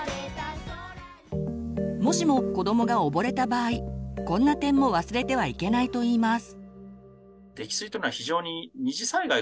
もしも子どもが溺れた場合こんな点も忘れてはいけないといいます。